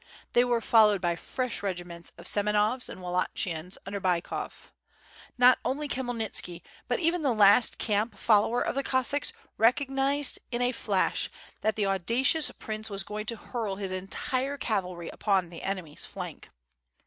They were followed by fresh regiments of Semenovs and Wallachians under Bychov. Not only Khmyelnitski, but even the last camp follower of the Cossacks, recognized in a flash that the audacious prince was going to hurl his entire cavalry upon the enemy's flank.